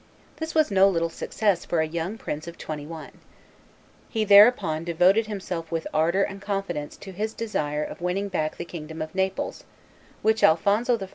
This was no little success for a young prince of twenty one. He thereupon devoted himself with ardor and confidence to his desire of winning back the kingdom of Naples, which Alphonso I.